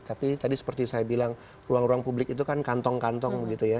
tapi tadi seperti saya bilang ruang ruang publik itu kan kantong kantong gitu ya